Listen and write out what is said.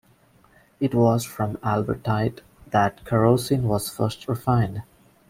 It was from Albertite that kerosene was first refined.